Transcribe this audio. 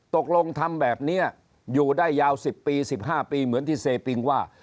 ตกลงทำแบบนี้อยู่ได้ยาว๑๐ปี๑๕ปีเหมือนที่เซปิงว่า